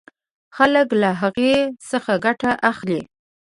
خلک له هغې څخه ګټه اخلي.